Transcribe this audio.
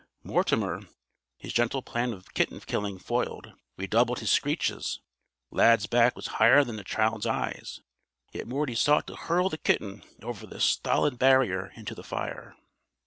Mortimer, his gentle plan of kitten killing foiled, redoubled his screeches. Lad's back was higher than the child's eyes. Yet Morty sought to hurl the kitten over this stolid barrier into the fire.